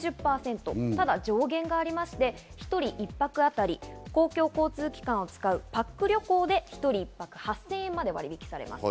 ただ上限がありまして、１人一泊当たり公共交通機関を使うパック旅行で１人一泊８０００円まで割引されます。